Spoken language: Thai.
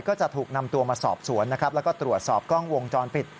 ก็จะถูกนำตัวมาสอบสวนนะครับแล้วก็ตรวจสอบกล้องวงจรปิด